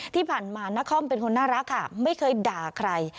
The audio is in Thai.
ที่ผ่านมานครเป็นคนน่ารักค่ะไม่เคยด่าใคร